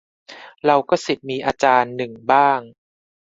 เราก็ศิษย์มีอาจารย์ หนึ่งบ้าง